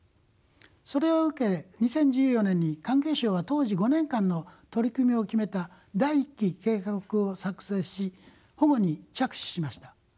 それを受け２０１４年に環境省は当時５年間の取り組みを決めた第一期計画を作成し保護に着手しました。